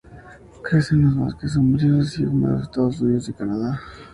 Crece en los bosques umbríos y húmedos de Estados Unidos y Canadá.